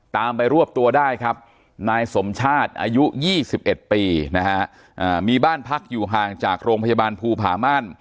ตามไปรวบตัวได้ครับนายสมชาติอายุ๒๑ปีนะฮะมีบ้านพักอยู่ห่างจากโรงพยาบาลภูผาม่าน